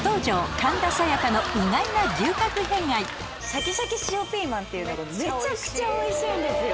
神田沙也加の意外なシャキシャキ塩ピーマンっていうのがめちゃくちゃおいしいんですよ。